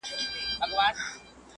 لږ ساړه خوره محتسبه څه دُره دُره ږغېږې,